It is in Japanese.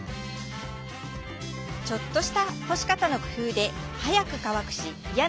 ちょっとした干し方の工夫で早く乾くしいや